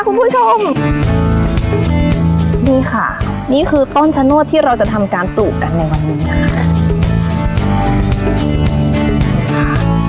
คุณผู้ชมนี่ค่ะนี่คือต้นชะโนธที่เราจะทำการปลูกกันในวันนี้นะคะ